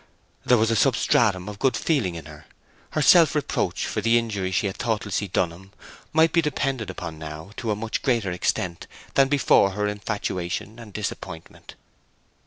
There was a substratum of good feeling in her: her self reproach for the injury she had thoughtlessly done him might be depended upon now to a much greater extent than before her infatuation and disappointment.